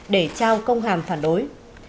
để trao công hàm phản đối